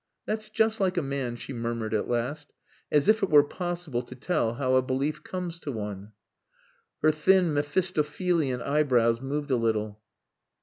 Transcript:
"That's just like a man," she murmured at last. "As if it were possible to tell how a belief comes to one." Her thin Mephistophelian eyebrows moved a little.